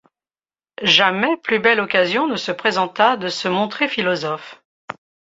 Jamais plus belle occasion ne se présenta de se montrer philosophe.